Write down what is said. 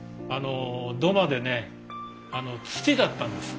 土間でね土だったんです。